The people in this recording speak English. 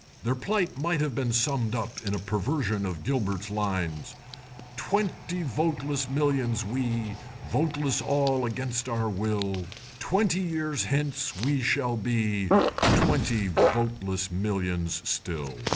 Their plight might have been summed up in a perversion of Gilbert's lines— "Twenty voteless millions we, Voteless all against our will, Twenty years hence we shall be Twenty voteless millions still."